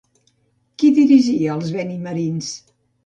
Qui dirigia els benimerins?